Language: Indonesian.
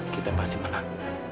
kita pasti menang